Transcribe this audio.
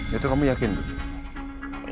itu kamu yakin tuh